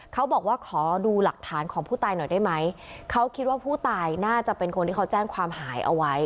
เขาบอกว่าขอดูหลักฐานของผู้ตายหน่อยได้ไหมเขาคิดว่าผู้ตายน่าจะเป็นคนที่เขาแจ้งความหายเอาไว้